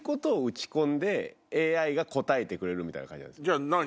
じゃあ何？